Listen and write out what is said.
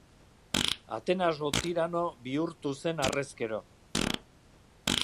Atenasko tirano bihurtu zen harrezkero.